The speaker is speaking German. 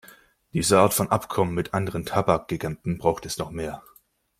Dieser Art von Abkommen mit anderen Tabakgiganten braucht es noch mehr.